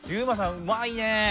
うまいねえ。